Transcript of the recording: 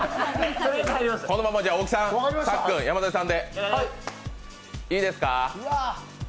このまま大木さん、さっくん、山添さんです。